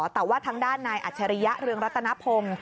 แต่ว่าทางด้านนายอัจฉริยะเรืองรัตนพงศ์